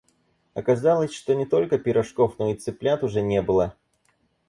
Оказалось, что не только пирожков, но и цыплят уже не было.